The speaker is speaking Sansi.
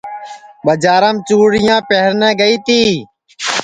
بڄارام چُڑیاں پہرنے گائی تی